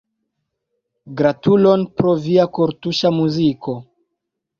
Gratulon pro via kortuŝa muziko.